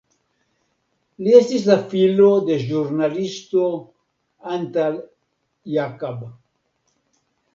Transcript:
Li estis la filo de ĵurnalisto Antal Jakab.